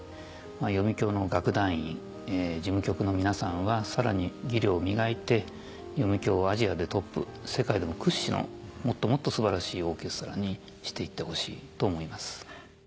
読響の楽団員事務局の皆さんはさらに技量を磨いて読響をアジアでトップ世界でも屈指のもっともっと素晴らしいオーケストラにしていってほしいと思います。